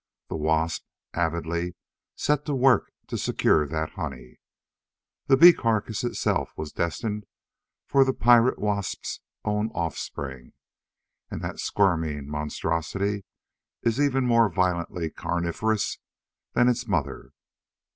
The wasp avidly set to work to secure that honey. The bee carcass itself was destined for the pirate wasp's own offspring, and that squirming monstrosity is even more violently carnivorous than its mother.